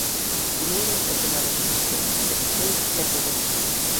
Primeiro é tomar a decisión e despois é poder saír.